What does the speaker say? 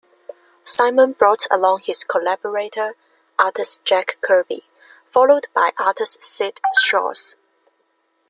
Simon brought along his collaborator, artist Jack Kirby, followed by artist Syd Shores.